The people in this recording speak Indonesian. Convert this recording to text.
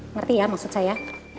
ngerti ya maksud saya